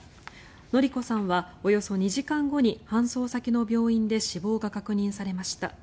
典子さんはおよそ２時間後に搬送先の病院で死亡が確認されました。